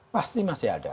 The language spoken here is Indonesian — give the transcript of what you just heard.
pasti masih ada